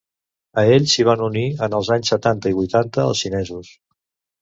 A ells s'hi van unir, en els anys setanta i vuitanta, els xinesos.